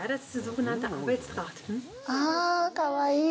かわいい。